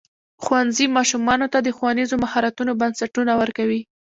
ښوونځی ماشومانو ته د ښوونیزو مهارتونو بنسټونه ورکوي.